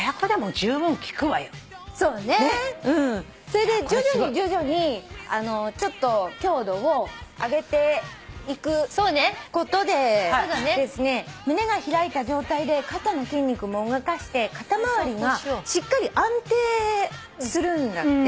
それで徐々に徐々にちょっと強度を上げていくことで胸が開いた状態で肩の筋肉も動かして肩周りがしっかり安定するんだって。